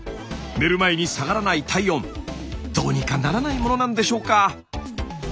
寝る前に下がらない体温どうにかならないものなんでしょうか？